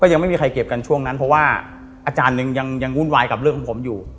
ยังไม่มีใครเก็บกันช่วงนั้นเพราะว่าอาจารย์หนึ่งยังวุ่นวายกับเรื่องของผมอยู่